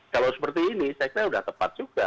kalau seperti ini saya kira sudah tepat juga